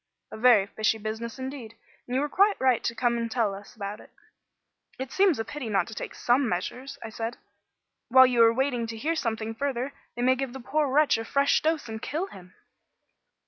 "A very fishy business indeed, and you were quite right to come and tell us about it." "It seems a pity not to take some measures," I said. "While you are waiting to hear something further, they may give the poor wretch a fresh dose and kill him."